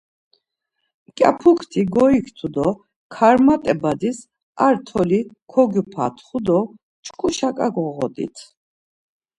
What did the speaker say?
Mǩyapukti goiktu do Karmat̆e badis ar toli kogyupatxu do, Çku şaǩa goğodit.